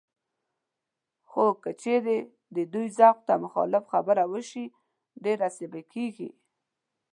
خو که چېرې د دوی ذوق ته مخالف خبره وشي، ډېر عصبي کېږي